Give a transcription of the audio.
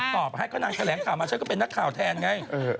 ตอบให้ก็นางแถลงข่าวมาฉันก็เป็นนักข่าวแทนไง